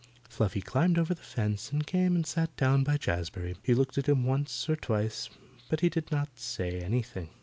Fluffy climbed over the fence and came and sat down by Jazbury. He looked at him once or twice, but he did not say anything.